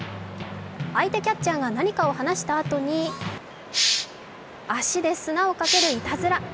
相手キャッチャーが何かを話したあとに、足で砂をかけるいたずら。